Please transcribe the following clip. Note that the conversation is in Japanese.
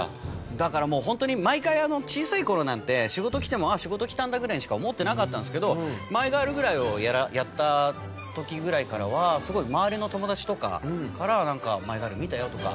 だからもうホントに毎回小さい頃なんて仕事きても「ああ仕事きたんだ」ぐらいにしか思ってなかったんですけど『マイ・ガール』ぐらいをやった時ぐらいからは周りの友達とかから「『マイ・ガール』見たよ」とか